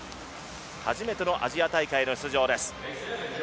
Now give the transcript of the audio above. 初めてのアジア大会の出場。